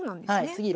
はい。